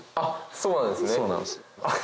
そうなんです。